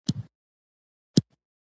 بندیوان یې کم قوته نه یې خلاص.